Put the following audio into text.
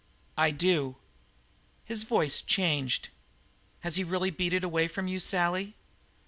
"I do." His voice changed. "Has he really beat it away from you, Sally?"